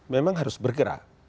memang harus bergerak